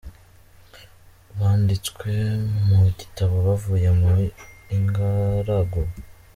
Banditswe mu igitabo bavuye mu ingaragu.